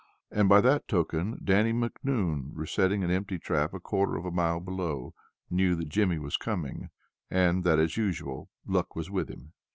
And by that token, Dannie Macnoun, resetting an empty trap a quarter of a mile below, knew that Jimmy was coming, and that as usual luck was with him.